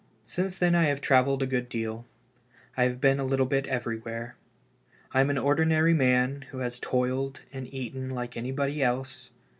Since then I have travelled a good deal. I have been a little bit everywhere. I am an ordinary man who has toiled and eaten like anybody else.